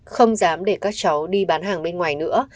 không dám để các cháu đi bán hàng bên ngoài nữa